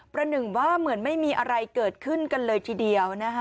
หนึ่งว่าเหมือนไม่มีอะไรเกิดขึ้นกันเลยทีเดียวนะคะ